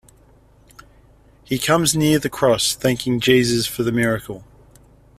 He comes near the cross thanking Jesus for the miracle.